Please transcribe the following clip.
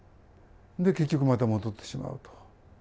で、結局、また戻ってしまうと。